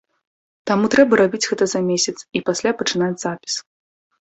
Таму трэба рабіць гэта за месяц, і пасля пачынаць запіс.